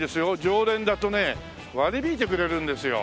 常連だとね割り引いてくれるんですよ。